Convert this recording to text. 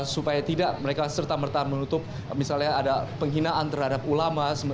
supaya tidak mereka serta merta menutup misalnya ada penghinaan terhadap ulama